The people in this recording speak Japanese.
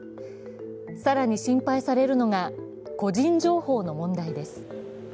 更に心配されるのが、個人情報の問題です。